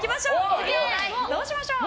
次のお題どうしましょう？